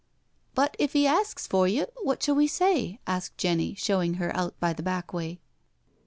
" But if 'e asks for you, what shall we say?" asked Jenny, showing her out by the back way.